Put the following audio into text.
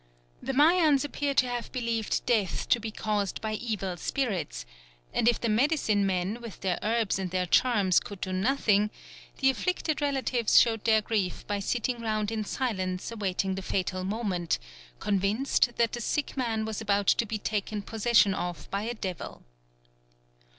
The Mayans appear to have believed death to be caused by evil spirits, and if the medicine men with their herbs and their charms could do nothing, the afflicted relatives showed their grief by sitting round in silence awaiting the fatal moment, convinced that the sick man was about to be taken possession of by a devil.